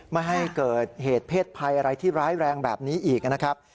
ไม่ให้เกิดเหตุเพศภัยอะไรที่ร้ายแรงแบบนี้อีกนะครับ